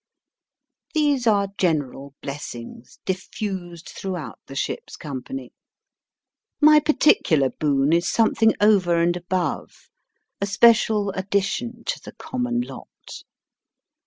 These are general blessings diffused throughout the ship's company. My par ticular boon is something over and above, a special addition to the common lot.